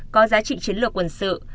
có giá trị chiến lược quân sự